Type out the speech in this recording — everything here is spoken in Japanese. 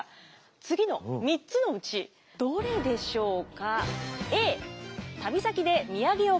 次の３つのうちどれでしょうか？